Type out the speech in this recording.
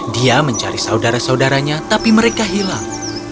dia mencari saudara saudaranya tapi mereka hilang